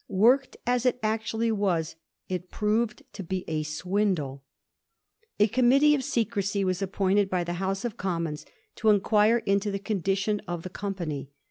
Worked as it actually was, it proved to be a swindle. A com mittee of secrecy was appointed by the House of Commons to inquire into the condition of the com pany.